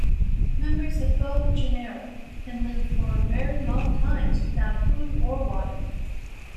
Members of both genera can live for very long times without food or water.